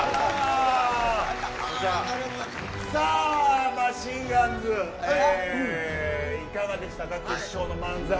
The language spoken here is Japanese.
さあマシンガンズいかがでしたか、決勝の漫才。